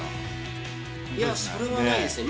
いや、それはないですね。